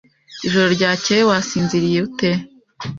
Ijoro ryakeye wasinziriye ute?